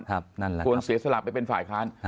คบนั้นนะครับคลุกษย์เสล็จสละไปเป็นฝ่ายอ้าง